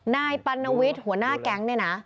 นายปัณวิทย์หัวหน้าแก๊งเนี่ยนะ